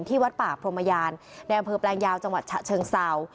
ที่วัดปากโภมยานในอำเภอแปลงยาวจังหวัดฉะเชิงเซา